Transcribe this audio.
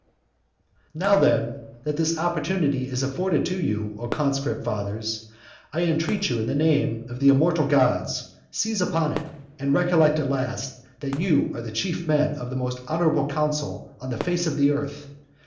XIV. Now then that this opportunity is afforded to you, O conscript fathers, I entreat you in the name of the immortal gods, seize upon it; and recollect at last that you are the chief men of the most honourable council on the whole face of the earth.